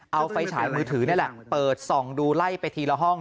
เอาไฟฉายมือถือนี่แหละเปิดส่องดูไล่ไปทีละห้อง